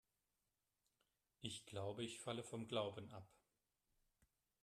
Ich glaube, ich falle vom Glauben ab.